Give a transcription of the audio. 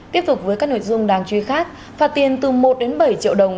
tiếp tục với các nội dung đáng truy khát phạt tiền từ một đến bảy triệu đồng